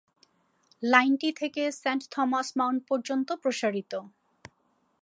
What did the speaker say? লাইনটি থেকে সেন্ট থমাস মাউন্ট পর্যন্ত প্রসারিত।